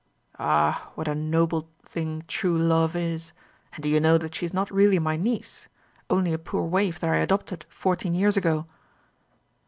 "Ah, what a noble thing true love is! And do you know that she is not really my niece only a poor waif that I adopted fourteen years ago?"